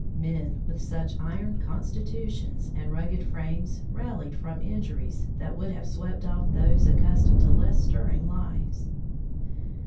Men with such iron constitutions and rugged frames rallied from injuries that would have swept off those accustomed to less stirring lives.